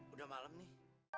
udah malem nih